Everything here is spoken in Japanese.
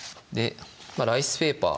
ライスペーパー